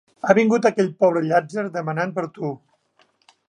Ha vingut aquell pobre llàtzer demanant per tu.